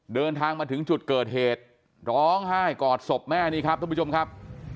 เดินทางมาถึงจุดเกิดเหตุร้องไห้กอดศพแม่นี่ครับทุกผู้ชมครับ